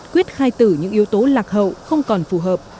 quyết khai tử những yếu tố lạc hậu không còn phù hợp